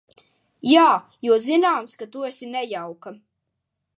Jā, jo zināms, ka tu esi nejauka.